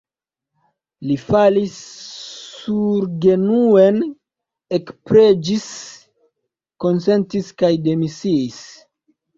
Li falis surgenuen, ekpreĝis, konsentis kaj demisiis.